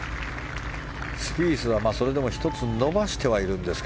スピースは、それでも１つ伸ばしてはいるんですが。